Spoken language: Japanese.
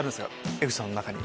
江口さんの中に。